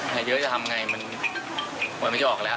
เยอะจะทำไงมันหวยมันจะออกแล้ว